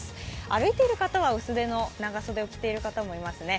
歩いている方は、薄手の長袖を着ている方もいますね。